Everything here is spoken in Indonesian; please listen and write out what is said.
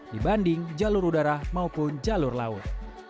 dibanding jalur udara maupun jalur laut